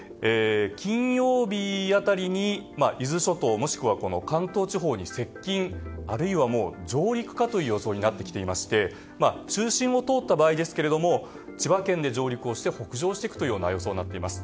金曜日辺りに伊豆諸島関東地方に接近あるいは上陸かという予想になってきていまして中心を通った場合ですが千葉県で上陸をして北上していく予想になっています。